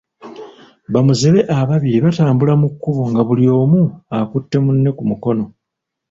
Bamuzibe ababiri abatambula mu kkubo nga buli omu akutte munne ku mukono.